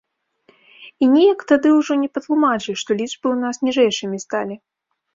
І неяк тады ўжо не патлумачыш, што лічбы ў нас ніжэйшымі сталі.